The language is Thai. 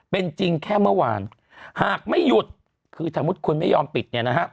เป็นจริงแค่เมื่อวานหากไม่หยุดคือสมมติคุณไม่ยอมปิด